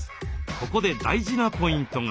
ここで大事なポイントが。